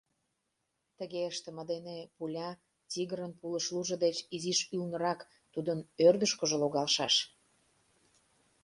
Тыге ыштыме дене пуля тигрын пулыш лужо деч изиш ӱлнырак, тудын ӧрдыжкыжӧ логалшаш.